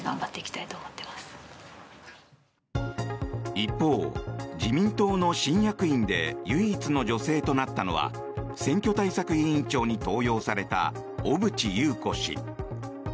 一方、自民党の新役員で唯一の女性となったのは選挙対策委員長に登用された小渕優子氏。